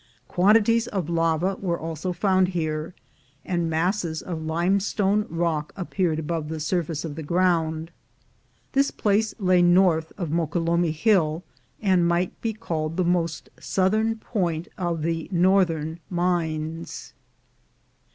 Quantities of lava were also found here, and masses of limestone rock appeared above the surface of the ground. This place lay north of Moquelumne Hill, and might be called the most southern point of the northern mines.